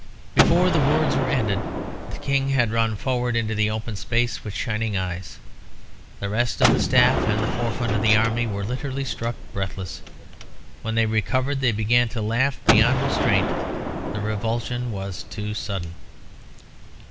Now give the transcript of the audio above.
Before the words were ended the King had run forward into the open space with shining eyes. The rest of the staff and the forefront of the army were literally struck breathless. When they recovered they began to laugh beyond restraint; the revulsion was too sudden.